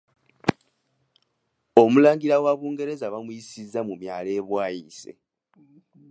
Omulangira wa Bungereza baamuyisizza mu myala e Bwaise.